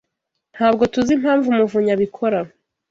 Ntabwo tuzi impamvu muvunyi abikora.